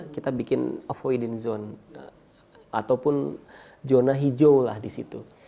kita bikin avoidan zone ataupun zona hijau lah di situ